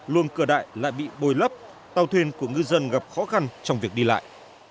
luồng cửa đại lại bị bồi lấp tàu thuyền của ngư dân gặp khó khăn trong việc đi lại